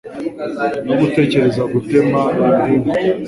No gutekereza gutema ibihingwa